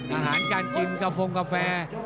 อาหารการกินกาโฟงกาแฟ